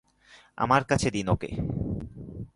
আমার কাছে দিন ওকে!